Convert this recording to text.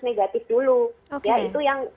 negatif dulu ya itu yang